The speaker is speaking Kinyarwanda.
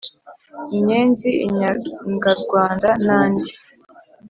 Inyenzi inyangarwanda Nandi.